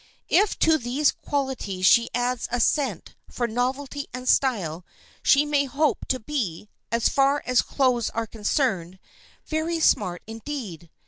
If to these qualities she adds a scent for novelty and style, she may hope to be, as far as clothes are concerned, "very smart indeed."